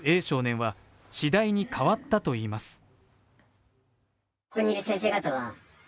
少年は、次第に変わったといいます。